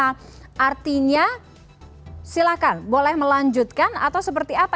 nah artinya silakan boleh melanjutkan atau seperti apa